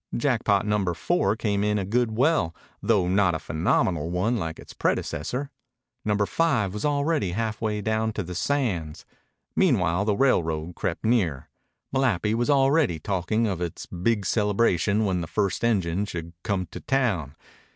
Jackpot Number Four came in a good well, though not a phenomenal one like its predecessor. Number Five was already halfway down to the sands. Meanwhile the railroad crept nearer. Malapi was already talking of its big celebration when the first engine should come to town.